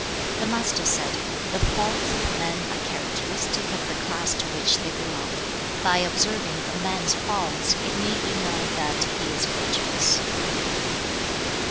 The Master said, 'The faults of men are characteristic of the class to which they belong. By observing a man's faults, it may be known that he is virtuous.'